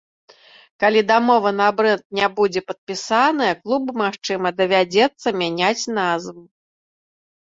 Калі дамова на брэнд не будзе падпісаная, клубу, магчыма, давядзецца мяняць назву.